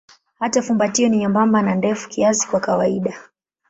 Hata fumbatio ni nyembamba na ndefu kiasi kwa kawaida.